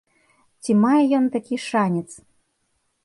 Ці мае ён такі шанец?